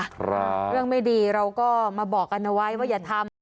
เรื่องไม่ดีเราก็มาบอกกันเอาไว้ว่าอย่าทำ